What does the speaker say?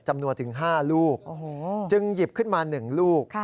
จึงหยิบขึ้นมา๑ลูก